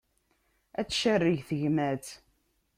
Ad tcerreg tegmat.